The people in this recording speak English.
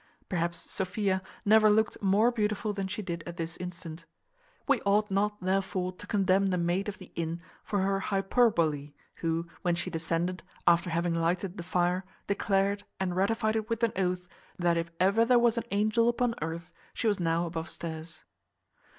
Perhaps Sophia never looked more beautiful than she did at this instant. We ought not, therefore, to condemn the maid of the inn for her hyperbole, who, when she descended, after having lighted the fire, declared, and ratified it with an oath, that if ever there was an angel upon earth, she was now above stairs.